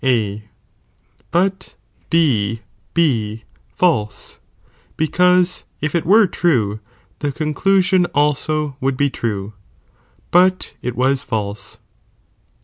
A, but D B false, because if it were true the cod °~* elusion also would be true,* but it was false.